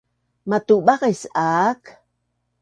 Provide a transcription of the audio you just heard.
Matubaqis aak